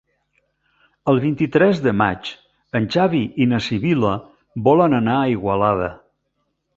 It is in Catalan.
El vint-i-tres de maig en Xavi i na Sibil·la volen anar a Igualada.